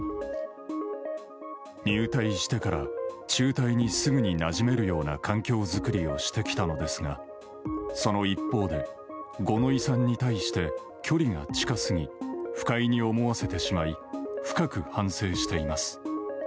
入隊してから中隊にすぐになじめるような環境づくりをしてきたのですがその一方で、五ノ井さんに対して距離が近すぎ不快に思わせてしまい深く反省しています。